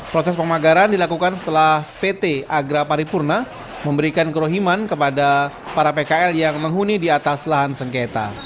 proses pemagaran dilakukan setelah pt agra paripurna memberikan kerohiman kepada para pkl yang menghuni di atas lahan sengketa